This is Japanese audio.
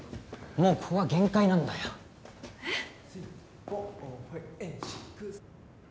もうここが限界なんだよえっ？